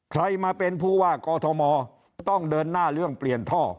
ใครมาเป็นผู้ว่ากอทมต้องเดินหน้าเรื่องเปลี่ยนท่อ